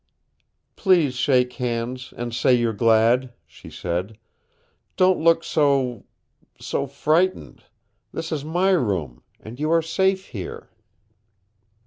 "Please shake hands and say you're glad," she said. "Don't look so so frightened. This is my room and you are safe here."